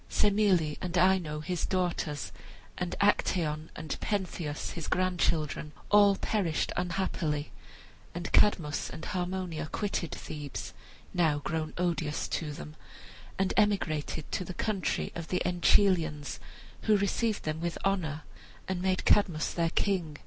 Semele and Ino, his daughters, and Actaeon and Pentheus, his grandchildren, all perished unhappily, and Cadmus and Harmonia quitted Thebes, now grown odious to them, and emigrated to the country of the Enchelians, who received them with honor and made Cadmus their king.